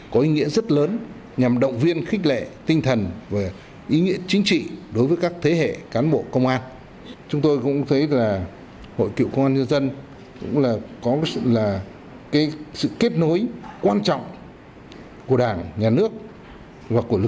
công an nhân dân vì nước quên thân vì dân phục vụ